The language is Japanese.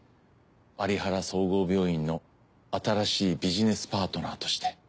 有原総合病院の新しいビジネスパートナーとして。